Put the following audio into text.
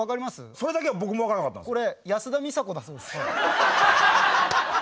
それだけは僕も分からなかったんですよ。